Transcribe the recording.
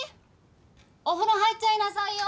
お風呂入っちゃいなさいよ！